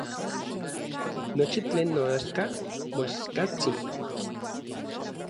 Nochi tlen noaxka moaxkatsin.